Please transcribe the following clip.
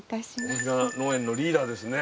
大平農園のリーダーですね。